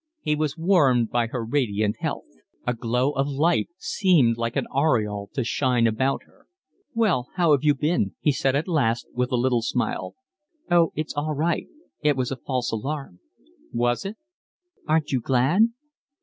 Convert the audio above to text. He was warmed by her radiant health. A glow of life seemed like an aureole to shine about her. "Well, how have you been?" he said at last, with a little smile. "Oh, it's all right. It was a false alarm." "Was it?" "Aren't you glad?"